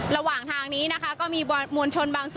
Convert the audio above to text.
ระหว่างทางนี้นะคะก็มีมวลชนบางส่วน